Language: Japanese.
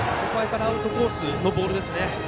アウトコースのボールですね。